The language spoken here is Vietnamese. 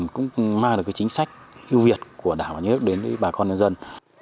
cũng mang lại chính sách yêu việt của đảng và nước đến bà con nhân dân